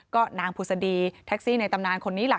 ก็นางผุศดีแท็กซี่ในตำนานคนนี้ล่ะ